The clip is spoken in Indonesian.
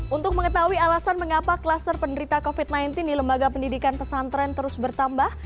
untuk mengetahui alasan mengapa klaster penderita covid sembilan belas di lembaga pendidikan pesantren terus bertambah